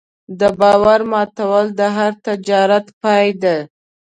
د باور ماتول د هر تجارت پای دی.